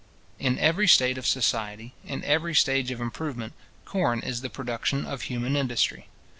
In every state of society, in every stage of improvement, corn is the production of human industry.